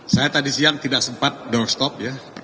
saya tadi siang tidak sempat doorstop ya